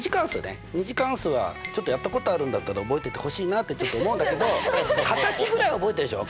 「２次関数」はちょっとやったことあるんだったら覚えててほしいなってちょっと思うんだけど形ぐらい覚えてるでしょ？